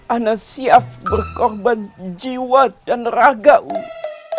ana siap berkorban jiwa dan raga umat